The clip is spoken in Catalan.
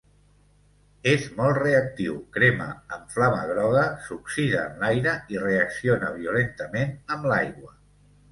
És molt reactiu, crema amb flama groga, s'oxida en l'aire i reacciona violentament amb l'aigua.